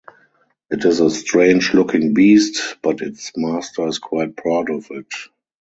It is a strange-looking beast, but its master is quite proud of it.